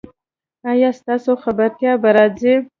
ایا ستاسو خبرتیا به راځي؟